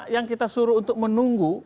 yang kita suruh untuk menunggu